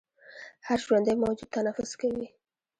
هر ژوندی موجود تنفس کوي